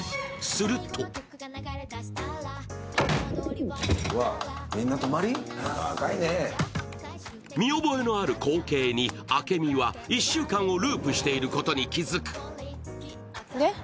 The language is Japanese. すると見覚えのある光景に朱海は１週間をループしていることに気づく。